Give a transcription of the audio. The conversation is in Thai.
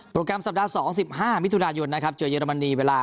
โปรแรมสัปดาห์สองสิบห้ามิทุณายนเจอเยอรมนีเวลา